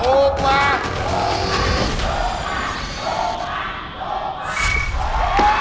ถูกปะถูกปะ